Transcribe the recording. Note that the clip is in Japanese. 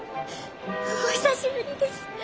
お久しぶりです。